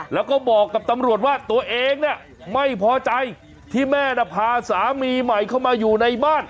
แล้วก็บอกกับตำรวจว่าตัวเองเนี่ยไม่พอใจที่แม่น่ะพาสามีใหม่เข้ามาอยู่ในบ้าน